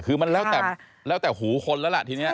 คือมันแล้วแต่หูคนแล้วล่ะทีนี้